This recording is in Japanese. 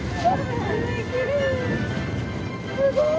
すごい！